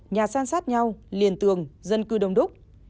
nhà san sát nhau liền tường dân cư đông đúc